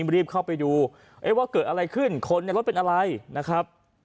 รีบเข้าไปดูว่าเกิดอะไรขึ้นคนในรถเป็นอะไรนะครับ